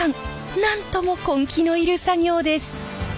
なんとも根気のいる作業です。